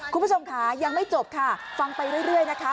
คุณผู้ชมค่ะยังไม่จบค่ะฟังไปเรื่อยนะคะ